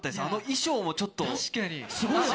あの衣装も、ちょっと確かに。